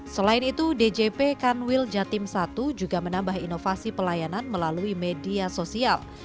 selain itu djp kanwil jatim satu juga menambah inovasi pelayanan melalui media sosial